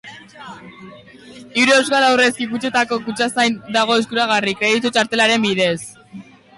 Hiru euskal aurrezki-kutxetako kutxazain dago eskuragarri, kreditu-txartelaren bidez.